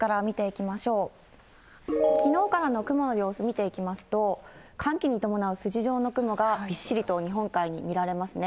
きのうからの雲の様子見ていきますと、寒気に伴う筋状の雲がびっしりと日本海に見られますね。